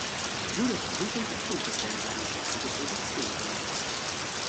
Nur durch Lug und Betrug ist er in seine jetzige Position gelangt.